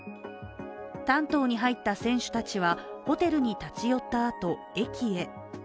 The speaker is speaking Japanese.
丹東に入った選手たちはホテルに立ち寄ったあと、駅へ。